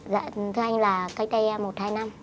dạ thưa anh là cách đây một hai năm